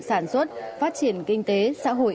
sản xuất phát triển kinh tế xã hội